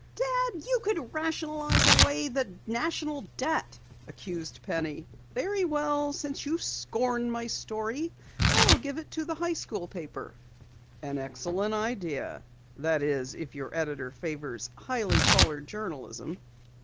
"Dad, you could rationalize the national debt," accused Penny. "Very well, since you scorn my story I'll give it to the High School paper!" "An excellent idea. That is, if your editor favors highly colored journalism."